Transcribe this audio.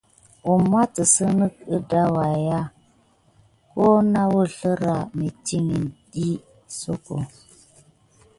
Kuma tisine gəda waya ho na wuzlera metikine diy kisok.